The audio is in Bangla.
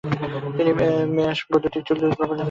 তিনি মোয়াসঁ বৈদ্যুতিক চুল্লী উদ্ভাবনের জন্যও পরিচিত।